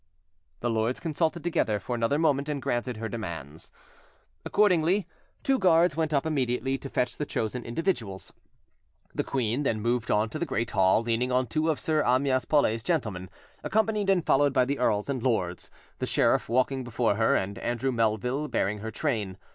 The lords consulted together for another moment, and granted her demands. Accordingly, two guards went up immediately to fetch the chosen individuals. The queen then moved on to the great hall, leaning on two of Sir Amyas Paulet's gentlemen, accompanied and followed by the earls and lords, the sheriff walking before her, and Andrew Melville bearing her train.